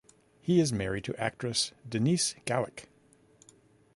He is married to actress Denise Galik.